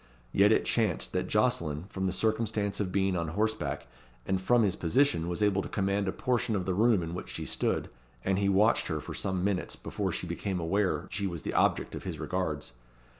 Yet it chanced that Jocelyn, from the circumstance of being on horseback, and from his position, was able to command a portion of the room in which she stood; and he watched her for some minutes before she became aware she was the object of his regards.